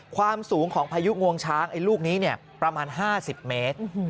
ความสูงของพายุงวงช้างไอ้ลูกนี้ประมาณ๕๐เมตร